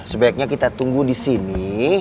sebaiknya kita tunggu di sini